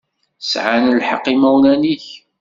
Sɛan lḥeqq yimawlan-ik.